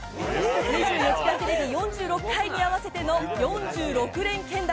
２４時間テレビ４６回に合わせての、４６連けん玉。